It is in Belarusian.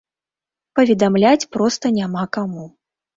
Паведамляць проста няма каму.